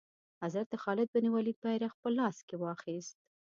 حضرت خالد بن ولید بیرغ په لاس کې واخیست.